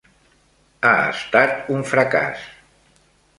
Ha estat un fracàs.